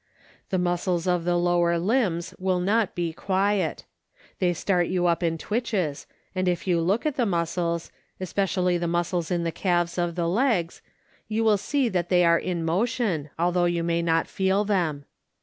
The muscles of the lower limbs will not be quiet. They start you up in twitches and if you look at the muscles, especially the muscles in the calves of the legs, you see that they are in motion although you may not feel them.